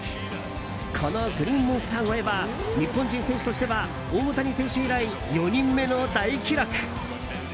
このグリーンモンスター越えは日本人選手としては大谷選手以来４人目の大記録。